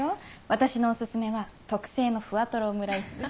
私のお薦めは特製のふわとろオムライスです。